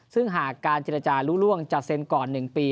ซึ่งหากการเจรจารู้ล่วงจะเซ็นก่อน๑ปี